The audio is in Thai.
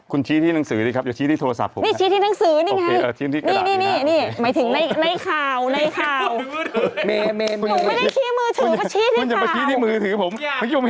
คุณชี้ที่หนังสือซิครับอย่าชี้ที่โทรศัพท์ผม